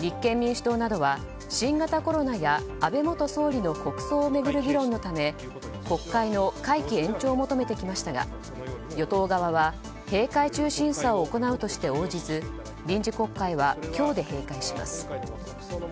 立憲民主党などは新型コロナや安倍元総理の国葬を巡る議論のため国会の会期延長を求めてきましたが与党側は閉会中審査を行うとして応じず臨時国会は今日で閉会します。